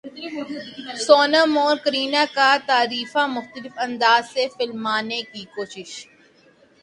سونم اور کرینہ کا تعریفاں مختلف انداز سے فلمانے کی کوشش